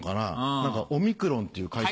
何かオミクロンっていう会社。